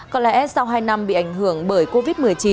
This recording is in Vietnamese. có lẽ sau hai năm bị ảnh hưởng bởi covid một mươi chín